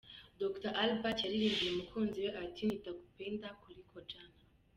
Dr Albert yaririmbiye umukunzi we ati "Nitakupenda kuliko jana".